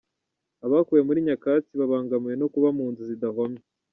Abakuwe muri Nyakatsi babangamiwe no kuba mu nzu zidahomye